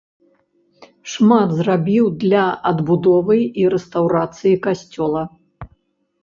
Шмат зрабіў для адбудовы і рэстаўрацыі касцёла.